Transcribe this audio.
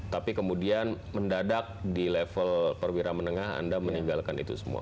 tapi kemudian mendadak di level perwira menengah anda meninggalkan itu semua